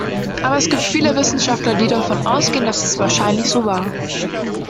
Aber es gibt viele Wissenschaftler, die davon ausgehen, dass es wahrscheinlich so war.